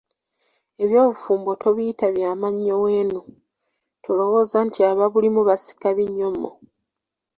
Eby'obufumbo tobiyita bya mannyo wenu, tolowooza nti ababulimu basiika binyomo!